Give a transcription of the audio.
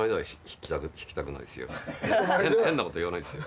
変なこと言わないですよ。